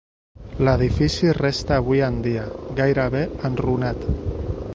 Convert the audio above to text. L'edifici resta avui en dia, gairebé enrunat.